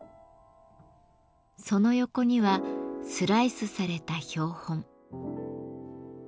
その横にはスライスされた標本。